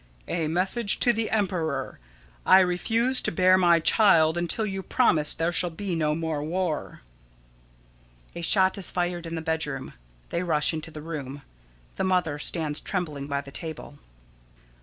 _] "A Message to the Emperor: I refuse to bear my child until you promise there shall be no more war." [_A shot is fired in the bedroom. They rush into the room. The Mother stands trembling by the table.